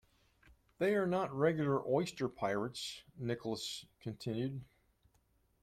They are not regular oyster pirates, Nicholas continued.